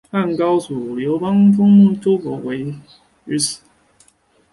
汉高祖刘邦封周勃为绛侯于此。